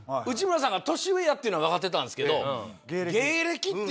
内村さんが年上やっていうのは分かってたんすけど。